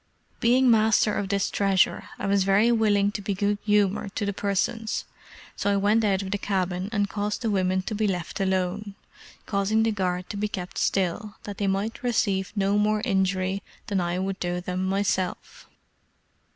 Being master of this treasure, I was very willing to be good humored to the persons; so I went out of the cabin, and caused the women to be left alone, causing the guard to be kept still, that they might receive no more injury than I would do them myself.